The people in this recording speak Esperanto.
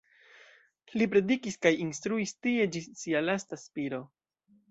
Li predikis kaj instruis tie ĝis sia lasta spiro.